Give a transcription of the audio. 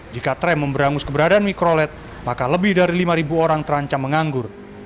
jika tram memberangus keberadaan mikrolet maka lebih dari lima orang terancam menganggur